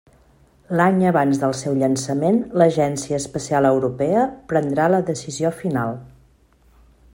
L'any abans del seu llançament, l'Agència Espacial Europea prendrà la decisió final.